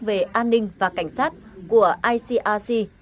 về an ninh và cảnh sát của icic